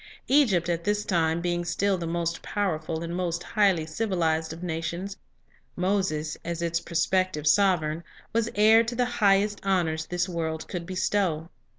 Egypt at this time being still the most powerful and most highly civilized of nations, Moses, as its prospective sovereign, was heir to the highest honors this world could bestow.